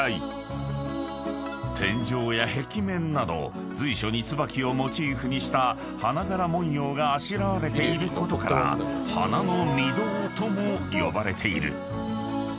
［天井や壁面など随所に椿をモチーフにした花柄文様があしらわれていることから花の御堂とも呼ばれている］